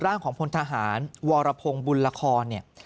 ร่างของพลทหารวรพงศ์บุญละครเนี่ย